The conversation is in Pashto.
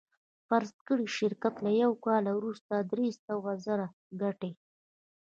فرض کړئ شرکت له یوه کال وروسته درې سوه زره ګټي